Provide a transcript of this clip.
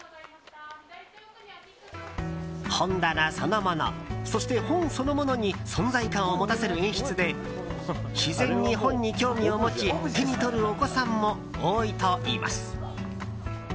本棚そのものそして本そのものに存在感を持たせる演出で自然に本に興味を持ち手に取るお子さんも多いといいます。